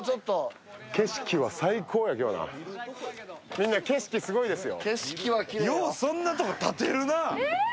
みんな景色すごいですよ。